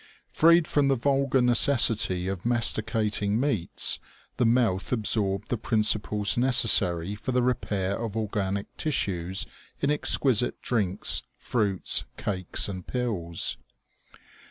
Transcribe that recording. Freed from the vulgar neces sity of masticating meats, the mouth absorbed the princi ples necessary for the repair of organic tissues in exquisite drinks, fruits, cakes and pills.